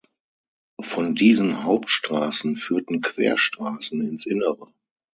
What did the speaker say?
Von diesen Hauptstraßen führten Querstraßen ins Innere.